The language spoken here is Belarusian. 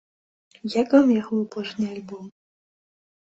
Як вам яго апошні альбом?